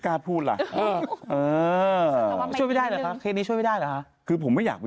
กักใครน่ะ